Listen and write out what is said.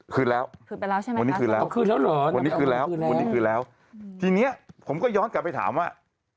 คืนแล้ววันนี้คืนแล้ววันนี้คืนแล้ววันนี้คืนแล้วทีนี้ผมก็ย้อนกลับไปถามว่า